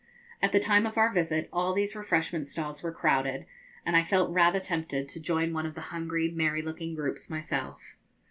At the time of our visit all these refreshment stalls were crowded, and I felt rather tempted to join one of the hungry merry looking groups myself.